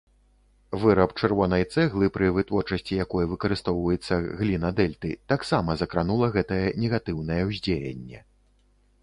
Выраб чырвонай цэглы, пры вытворчасці якой выкарыстоўваецца гліна дэльты, таксама закранула гэтае негатыўнае ўздзеянне.